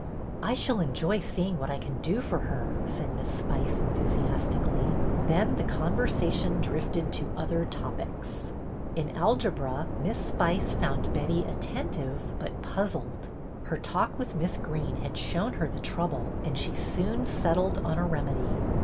" I shall enjoy seeing what I can do for her," said Miss Spice, enthusiastically ; then the conversation drifted to other topics. In algebra Miss Spice found Betty atten tive but puzzled. Her talk with Miss Greene had shown her the trouble and she soon settled on a remedy.